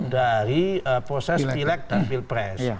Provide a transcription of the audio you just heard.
dari proses pilek dan pilpres